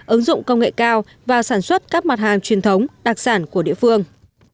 ứng dụng công nghệ cao và sản xuất các mặt hàng truyền thống đặc sản của địa phương